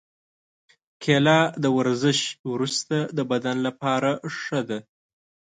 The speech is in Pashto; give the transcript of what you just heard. کېله د ورزش وروسته د بدن لپاره ښه ده.